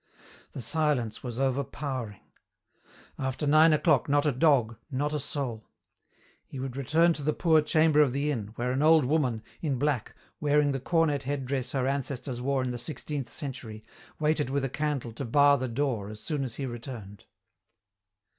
The silence was overpowering. After nine o'clock not a dog, not a soul. He would return to the poor chamber of the inn, where an old woman, in black, wearing the cornet head dress her ancestors wore in the sixteenth century, waited with a candle to bar the door as soon as he returned.